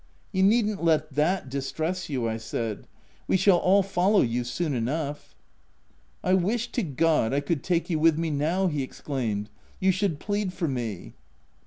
te( You needn't let that distress you,' I said ;' we shall all follow you soon enough/ " c I wish to God I could take you with me now !' he exclaimed, 'you should plead for me.